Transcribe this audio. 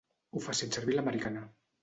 Ho facin servir a l'americana.